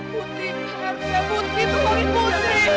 putri arja putri tuhan putri